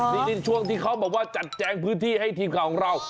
นี่ช่วงที่เขาบอกว่าจัดแจงพื้นที่ให้ทีมข่าวของเรา